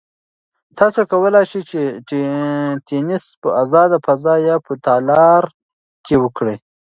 تاسو کولای شئ چې تېنس په ازاده فضا یا په تالار کې وکړئ.